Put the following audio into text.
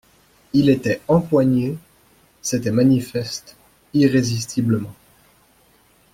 Il était «empoigné», c'était manifeste, irrésistiblement.